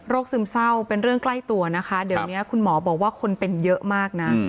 ซึมเศร้าเป็นเรื่องใกล้ตัวนะคะเดี๋ยวนี้คุณหมอบอกว่าคนเป็นเยอะมากนะ